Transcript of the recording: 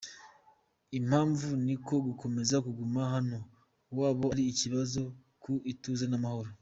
Impamvu ni uko gukomeza kuguma hano kwabo ari ikibazo ku ituze n’amahoro.